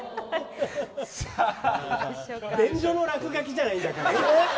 便所の落書きじゃないんだから。